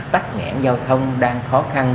tắt ngãn giao thông đang khó khăn